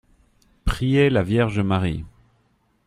Prier la Vierge Marie.